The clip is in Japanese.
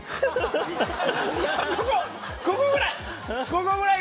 ここぐらい。